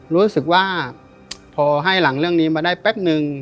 รู้สึกว่าพอให้หลังเรื่องนี้มาได้แป๊บนึง